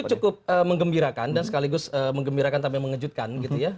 itu cukup mengembirakan dan sekaligus mengejutkan